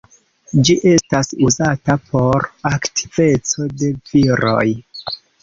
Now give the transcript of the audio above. Ĝi estas uzata por aktiveco de viroj.